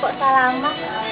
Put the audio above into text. kok salah mak